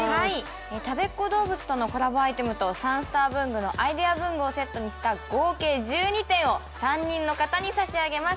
たべっ子どうぶつとのコラボアイテムとアイデア文具をセットにした合計１２点を３人の方に差し上げます。